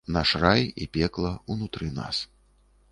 Наш рай і пекла ўнутры нас.